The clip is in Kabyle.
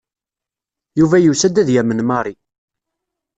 Yuba yusa-d ad yamen Mary.